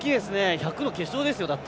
１００の決勝ですよ！